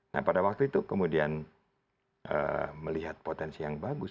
nah pada waktu itu kemudian melihat potensi yang bagus